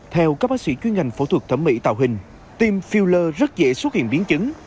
theo các bác sĩ chuyên ngành phẫu thuật thẩm mỹ tạo hình tiêm filler rất dễ xuất hiện biến chứng